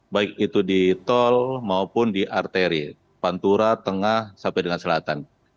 baik itu di tol maupun di arteri pantura tengah sampai dengan selatan